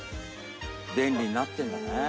便利になってるんだね。